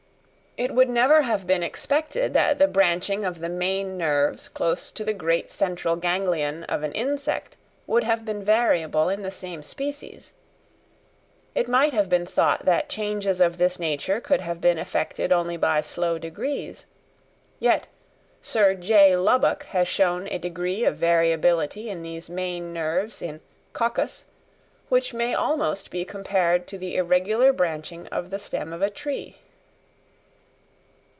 It would never have been expected that the branching of the main nerves close to the great central ganglion of an insect would have been variable in the same species; it might have been thought that changes of this nature could have been effected only by slow degrees; yet Sir J. Lubbock has shown a degree of variability in these main nerves in Coccus, which may almost be compared to the irregular branching of the stem of a tree.